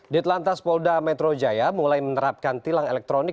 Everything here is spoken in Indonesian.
detlantas polda metro jaya mulai menerapkan tilang elektronik